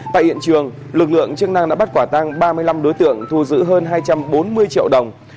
tại hiện trường lực lượng chức năng đã bắt quả tăng ba mươi năm đối tượng thu giữ hơn hai trăm bốn mươi triệu đồng